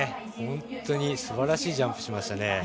本当にすばらしいジャンプしましたね。